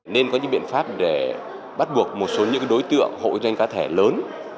nên có những biện pháp để bắt buộc một số những đối tượng hộ kinh doanh cá thể lớn